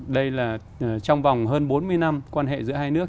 đây là trong vòng hơn bốn mươi năm quan hệ giữa hai nước